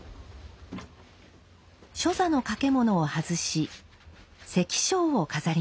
初座の掛物を外し石菖を飾ります。